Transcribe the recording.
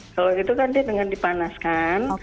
kalau itu kan dia dengan dipanaskan